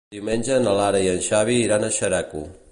Diumenge na Lara i en Xavi iran a Xeraco.